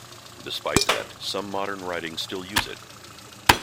Despite that, some modern writings still use it.